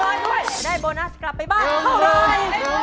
ด้วยได้โบนัสกลับไปบ้านเท่าไร